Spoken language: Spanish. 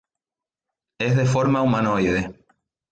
Es de forma humanoide.